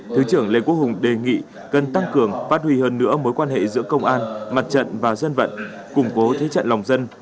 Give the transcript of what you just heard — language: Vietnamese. thứ trưởng lê quốc hùng đề nghị cần tăng cường phát huy hơn nữa mối quan hệ giữa công an mặt trận và dân vận củng cố thế trận lòng dân